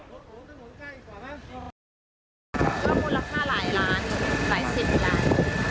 ก็มูลค่าหลายร้านหลายสิบร้าน